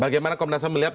bagaimana komnasnya melihat